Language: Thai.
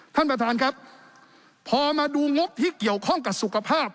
ท่านประธานครับพอมาดูงบที่เกี่ยวข้องกับสุขภาพ